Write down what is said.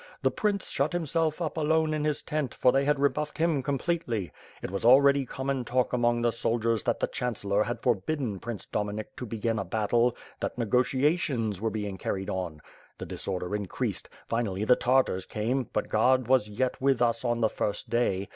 The prince shut himself up alone in his tent, for they had rebuffed him completely. It was already common talk among the soldiers that the (.Chan cellor had forbidden Prince Dominik to begin a bat tle— that negotiations were being carried on. The disorder •increased — finally the Tartars came, but God was yet with us on the first day.